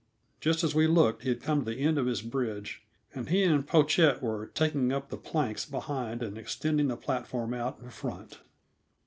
Just as we looked, he had come to the end of his bridge, and he and Pochette were taking up the planks behind and extending the platform out in front.